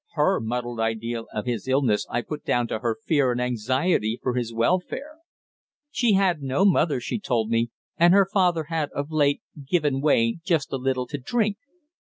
Her muddled idea of his illness I put down to her fear and anxiety for his welfare. She had no mother, she told me; and her father had, of late, given way just a little to drink.